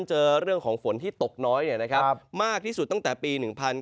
เจอเรื่องของฝนที่ตกน้อยมากที่สุดตั้งแต่ปี๑๙